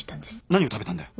何を食べたんだよ。